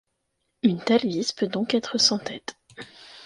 Une telle vis peut donc être sans tête.